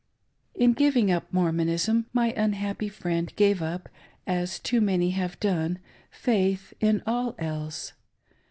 In giving up Mormonism, my unhappy friend gave up, as too many have done, faith in aill else.